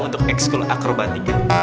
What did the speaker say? untuk ekskul akrobatika